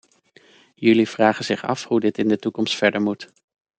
Jullie vragen zich af hoe dit in de toekomst verder moet.